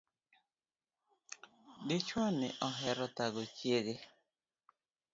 Dichuo ni ohero thago chiege